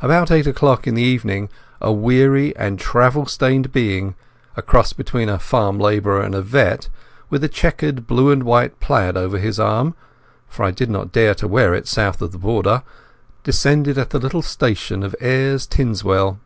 About eight o'clock in the evening, a weary and travel stained being—a cross between a farm labourer and a vet—with a checked black and white plaid over his arm (for I did not dare to wear it south of the Border), descended at the little station of Artinswell.